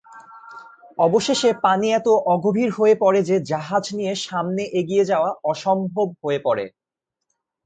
অবশেষে পানি এত অগভীর হয়ে পড়ে যে জাহাজ নিয়ে সামনে এগিয়ে যাওয়া অসম্ভব হয়ে পড়ে।